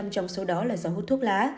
bảy mươi hai trong số đó là do hút thuốc lá